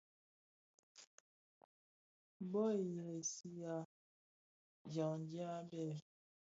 Bu i resihà dyangdyag béé.